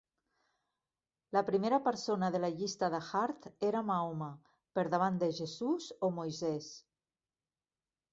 La primera persona de la llista de Hart era Mahoma, per davant de Jesús o Moisès.